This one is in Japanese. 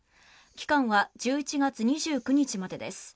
期間は１１月２９日までです。